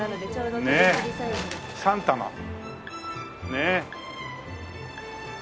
３玉ねえ。